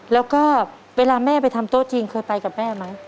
แล้วก็เวลาแม่ไปทำโต๊ะจีนเคยไปกับแม่ไหม